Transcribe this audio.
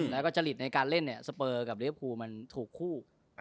แล้วก็จริตในการเล่นเนี่ยสเปอร์กับลิเวภูมันถูกคู่